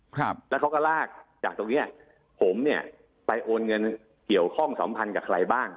ครับแล้วเขาก็ลากจากตรงเนี้ยผมเนี้ยไปโอนเงินเกี่ยวข้องสัมพันธ์กับใครบ้าง